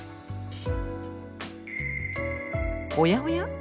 おやおや！